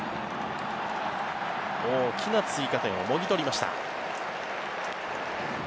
大きな追加点をもぎ取りました。